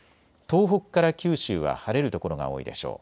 東北から九州は晴れる所が多いでしょう。